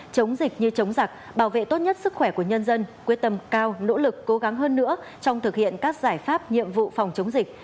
chống dịch như chống giặc bảo vệ tốt nhất sức khỏe của nhân dân quyết tâm cao nỗ lực cố gắng hơn nữa trong thực hiện các giải pháp nhiệm vụ phòng chống dịch